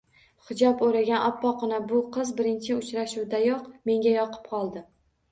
Hijob o`ragan, oppoqqina bu qiz birinchi ucharashuvdayoq menga yoqib qoldi